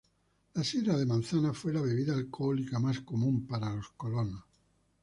La sidra de manzana fue la bebida alcohólica más común para los colonos.